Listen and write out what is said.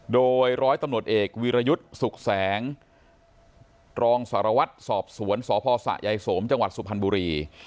โดยร้อยตำรวจเอกวีรยุทธ์สุขแสงรองสารวัตรสอบสวนสพสะยายสมจังหวัดสุพรรณบุรี